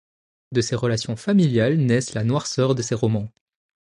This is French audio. De ces relations familiales naissent la noirceur de ces romans.